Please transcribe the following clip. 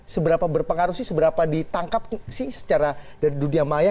seberapa berpengaruh sih seberapa ditangkap sih secara dari dunia maya